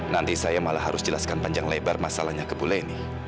nanti saya malah harus jelaskan panjang lebar masalahnya ke bu leni